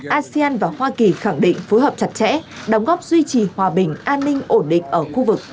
asean và hoa kỳ khẳng định phối hợp chặt chẽ đóng góp duy trì hòa bình an ninh ổn định ở khu vực